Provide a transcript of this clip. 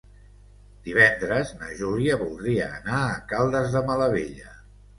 Divendres na Júlia voldria anar a Caldes de Malavella.